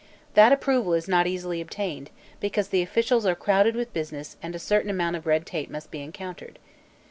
That approval is not easily obtained, because the officials are crowded with business and a certain amount of red tape must be encountered.